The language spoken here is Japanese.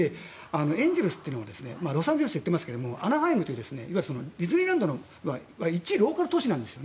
エンゼルスというのはロサンゼルスでやっていますがアナハイムというディズニーランドが１位のローカル都市なんです。